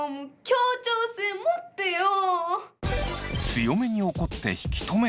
協調性持ってよ！